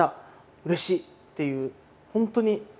「うれしい」っていう本当にシンプルな。